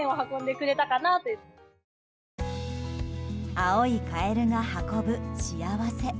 青いカエルが運ぶ幸せ。